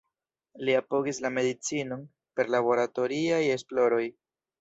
Li apogis la medicinon per laboratoriaj esploroj.